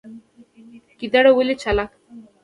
ګیدړه ولې چالاکه ده؟